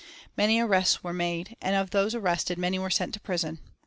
Many arrests were made, and of those arrested many were sent to prison.